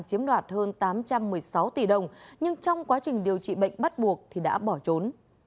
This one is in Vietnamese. chiếm đoạt hơn tám trăm một mươi sáu tỷ đồng nhưng trong quá trình điều trị bệnh bắt buộc thì đã bỏ trốn